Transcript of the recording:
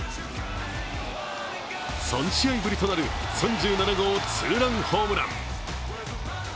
３試合ぶりとなる３７号ツーランホームラン。